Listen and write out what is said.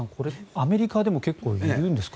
アメリカでも結構言うんですか。